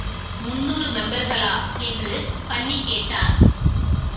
முன்னூறு மெம்பர்களா? என்று பன்னிக் கேட்டார்.